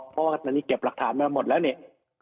เพราะว่าตอนนี้เก็บหลักฐานมาหมดแล้วเนี่ย